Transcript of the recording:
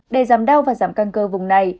để giảm đau và giảm căng cơ vùng này